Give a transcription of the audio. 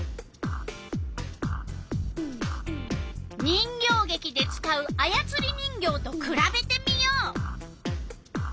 人形げきで使うあやつり人形とくらべてみよう。